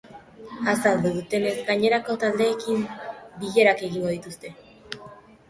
Azaldu dutenez, gainerako taldeekin bilerak egingo dituzte.